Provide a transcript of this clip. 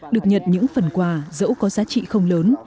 được nhận những phần quà dẫu có giá trị không lớn